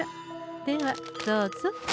ではどうぞ。